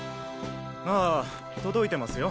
ああ届いてますよ。